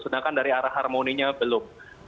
sedangkan dari arah harmoninya belum